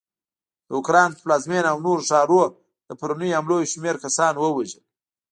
د اوکراین پر پلازمېنه او نورو ښارونو د پرونیو حملو یوشمېر کسان ووژل